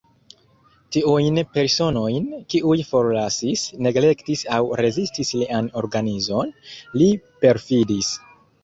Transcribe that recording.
Tiujn personojn, kiuj forlasis, neglektis aŭ rezistis lian organizon, li perfidis.